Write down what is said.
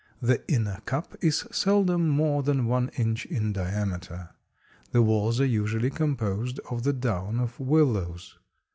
The inner cup is seldom more than one inch in diameter. The walls are usually composed of the down of willows.